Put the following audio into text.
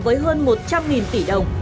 với hơn một trăm linh tỷ đồng